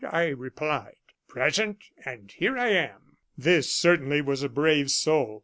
I replied: 'Present,' and here I am!" This certainly was a brave soul.